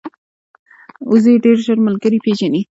وزې ډېر ژر ملګري پېژني